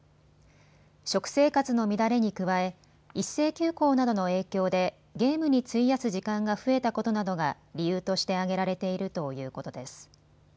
食生活の乱れに加え、一斉休校などの影響でゲームに費やす時間が増えたことなどが理由として挙げられているということです。